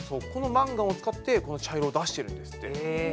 このマンガンを使ってこの茶色を出してるんですって。